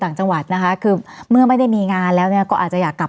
ต่างจังหวัดคือเมื่อไม่ได้มีงานแล้วก็อาจจะกลับ